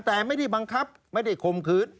แต่ไม่ได้บังคับไม่ได้ข่มขืน